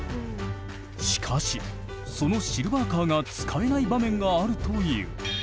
しかしそのシルバーカーが使えない場面があるという。